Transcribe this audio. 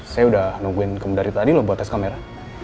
saya udah nungguin dari tadi loh buat tes kamera